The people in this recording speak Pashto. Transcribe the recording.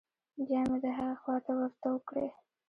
بيا مې د هغې خوا ته ورتو کړې.